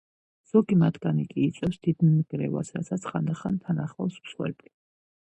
ზოგი მათგანი კი იწვევს დიდ ნგრევას, რასაც ხანდახან თან ახლავს მსხვერპლი.